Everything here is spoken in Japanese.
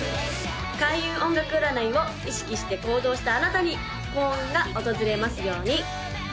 開運音楽占いを意識して行動したあなたに幸運が訪れますように！